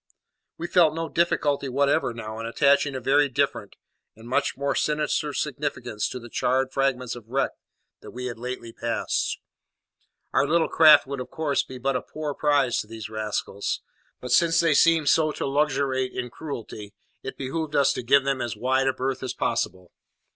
We felt no difficulty whatever now in attaching a very different and much more sinister significance to the charred fragments of wreck we had lately passed. Our little craft would of course be but a poor prize to these rascals; but since they seemed so to luxuriate in cruelty, it behoved us to give them as wide a berth as possible.